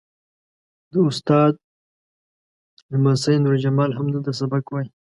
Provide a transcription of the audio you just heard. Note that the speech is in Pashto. د استاد لمسی نور جمال هم دلته سبق وایي.